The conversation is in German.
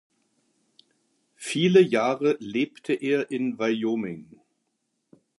Viele Jahre lebte er in Wyoming.